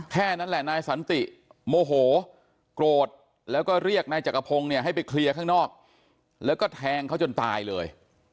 แค่นั้นแหละนายสันติโมโหโกรธแล้วก็เรียกนายจักรพงศ์เนี่ยให้ไปเคลียร์ข้างนอกแล้วก็แทงเขาจนตายเลย